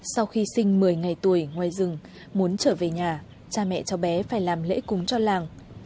sau khi sinh một mươi ngày tuổi ngoài rừng muốn trở về nhà cha mẹ cháu bé phải làm lễ cúng cho làng